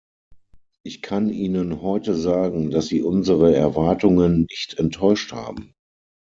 Ich kann Ihnen heute sagen, dass Sie unsere Erwartungen nicht enttäuscht haben.